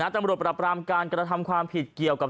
ท่านพรุ่งนี้ไม่แน่ครับ